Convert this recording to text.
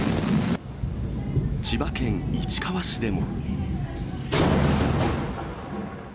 千葉県市川市でも。